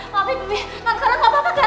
maafin bebe reng karla gak apa apa kan